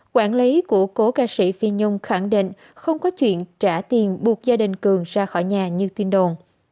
quản lý của cố ca sĩ phi nhung khẳng định không có chuyện trả tiền buộc gia đình cường ra khỏi nhà như tin đồn